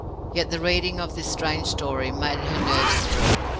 Yet the reading of this strange story made her nerves thrill.